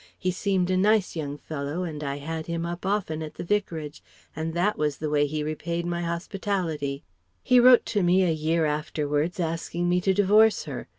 He seemed a nice young fellow and I had him often up at the Vicarage, and that was the way he repaid my hospitality! He wrote to me a year afterwards asking me to divorce her.